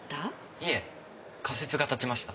いえ仮説が立ちました。